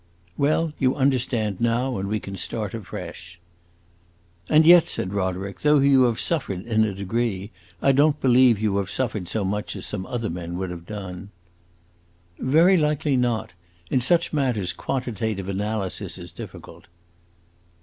"Well, you understand now, and we can start afresh." "And yet," said Roderick, "though you have suffered, in a degree, I don't believe you have suffered so much as some other men would have done." "Very likely not. In such matters quantitative analysis is difficult."